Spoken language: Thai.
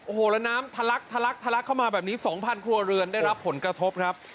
โอ้โหแล้วน้ำทะลักทะลักทะลักเข้ามาแบบนี้๒๐๐ครัวเรือนได้รับผลกระทบครับ